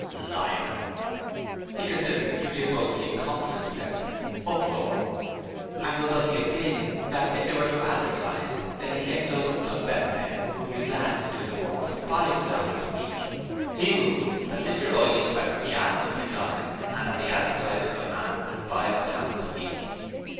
(Liar.) He considered him to be a grossly incompetent person (uproar) and was of opinion that if they were to advertise they could get dozens of better men who would be glad to do the work for five pounds a week. He moved that Mr Oyley Sweater be asked to resign and that they advertise for a man at five pounds a week.